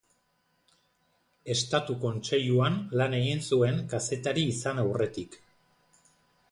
Estatu Kontseiluan lan egin zuen kazetari izan aurretik.